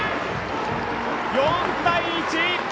４対１！